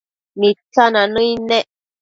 Mitsina nëid nec